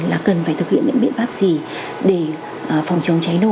là cần phải thực hiện những biện pháp gì để phòng chống cháy nổ